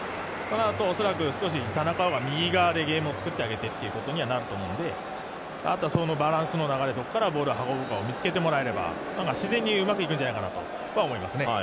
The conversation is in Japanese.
あと、おそらく田中碧が右側でゲームを作ってあげてということになると思うんであとはそのバランスの流れのところからボールを運ぶところを見つけられれば自然にうまくいくんじゃないかなとは思いますね。